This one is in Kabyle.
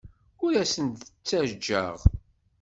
Ur asen-d-ttajjaɣ.